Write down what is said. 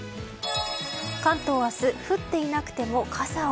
関東明日降っていなくても傘を。